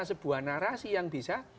sebuah narasi yang bisa